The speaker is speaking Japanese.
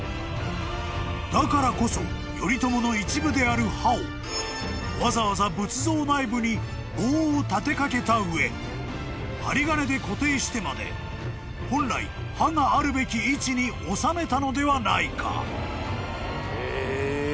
［だからこそ頼朝の一部である歯をわざわざ仏像内部に棒を立てかけた上針金で固定してまで本来歯があるべき位置に納めたのではないか］